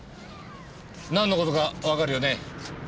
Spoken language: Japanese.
なんの事かわかるよね？